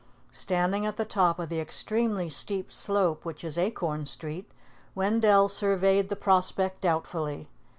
Standing at the top of the extremely steep slope which is Acorn Street, Wendell surveyed the prospect doubtfully.